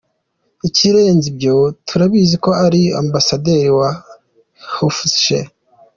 Ikirenze ibyo turabizi ko ari ambasaderi wa HeforShe.